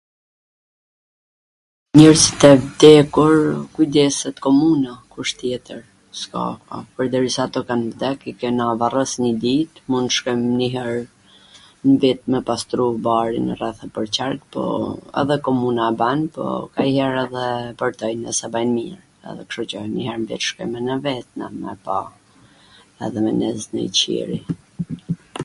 Pwr njerzit e vdekur kujdeset komuna, tjetwr s ka, pwrderisa ato kan vdek, i kena varos njw dit, mun shkojm njw her n vit me pastru barin rreth e pwrqark, po edhe komuna e ban po ndonjher s e bajn mir edhe kshtu, pwr gja njw her n vit shkojm edhe ne vet me e ba, me ndez njw qiri